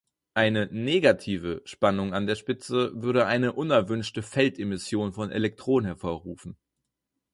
Eine "negative" Spannung an der Spitze würde eine unerwünschte Feldemission von Elektronen hervorrufen.